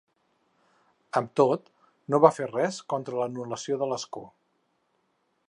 Amb tot, no va fer res contra l’anul·lació de l’escó.